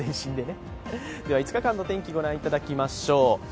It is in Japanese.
では、５日間の天気、御覧いただきましょう。